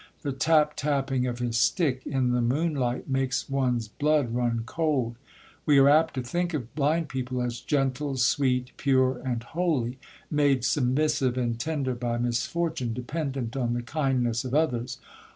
The tap tapping of his stick in the moonlight makes one's blood run cold. We are apt to think of blind people as gentle, sweet, pure, and holy; made submissive and tender by misfortune, dependent on the kindness of others.